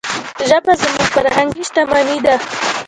ژبه زموږ فرهنګي شتمني ده.